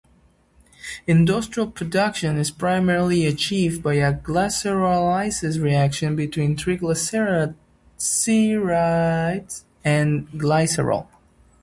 Industrial production is primarily achieved by a glycerolysis reaction between triglycerides and glycerol.